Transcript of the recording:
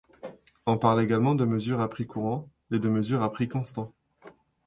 On parle également de mesure à prix courants et de mesure à prix constants.